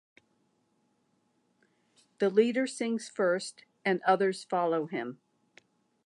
The leader sings first and others follow him.